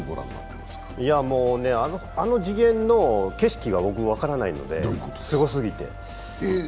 いや、あの次元の景色が僕、分からないので、すごすぎて。